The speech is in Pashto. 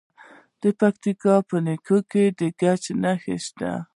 د پکتیکا په نکې کې د ګچ نښې شته.